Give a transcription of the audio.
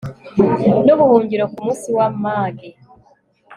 n'ubuhungiro ku munsi w'amage